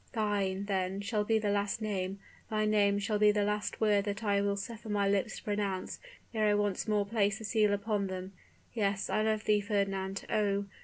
Thine, then, shall be the last name, thy name shall be the last word that I will suffer my lips to pronounce ere I once more place the seal upon them. Yes, I love thee, Fernand; oh!